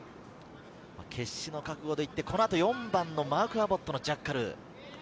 決死の覚悟で行って、４番のマーク・アボットのジャッカル。